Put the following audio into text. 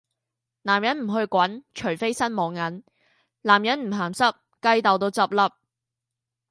男人唔去滾，除非身冇銀;男人唔鹹濕，雞竇都執粒!